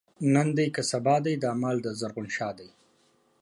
نن دی که سبا دی، دا مال دَ زرغون شاه دی